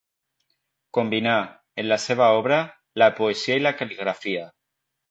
Combinà, en la seva obra, la poesia i la cal·ligrafia.